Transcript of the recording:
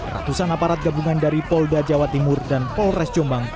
ratusan aparat gabungan dari polda jawa timur dan polres jombang